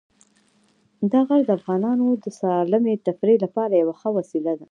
دا غر د افغانانو د سالمې تفریح لپاره یوه ښه وسیله ده.